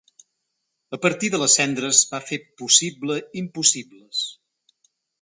A partir de les cendres, va fer possible impossibles.